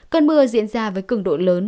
cơn mưa diễn ra với cứng độ lớn